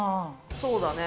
そうだね。